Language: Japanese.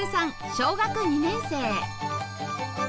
小学２年生